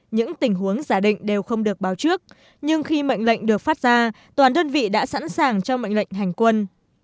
những tình huống giả định đều không được báo trước nhưng khi mệnh lệnh được phát ra toàn đơn vị đã sẵn sàng cho mệnh lệnh hành quân